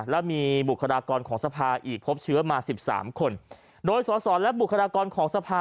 และมีบุคลากรของสภาอีกพบเชื้อมาสิบสามคนโดยสอสอและบุคลากรของสภา